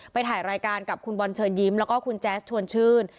ถ่ายรายการกับคุณบอลเชิญยิ้มแล้วก็คุณแจ๊สชวนชื่น